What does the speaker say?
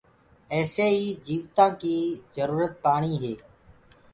ايسي ئيٚ جيوتآنٚ ڪيٚ جروٚرت پآڻيٚ هي